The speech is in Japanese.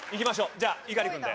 じゃあ猪狩君で。